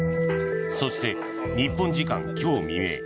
そして、日本時間今日未明